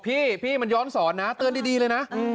พี่พี่มันย้อนสอนนะเตือนดีเลยนะ